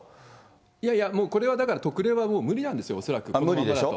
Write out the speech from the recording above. いやいやこれはだから特例はもう無理なんですよ、恐らく、このままだと。